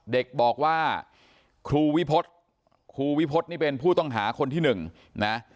เด็กบอกว่าครูวิพฤษครูวิพฤษนี่เป็นผู้ต้องหาคนที่หนึ่งนะ